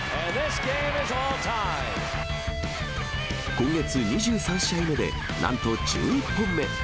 今月２３試合目でなんと１１本目。